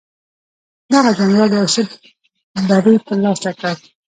دغه جنرال یو څه بری ترلاسه کړ.